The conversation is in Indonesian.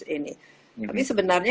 ini tapi sebenarnya